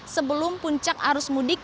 sebelum puncak arus mudik